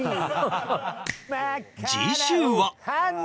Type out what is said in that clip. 次週は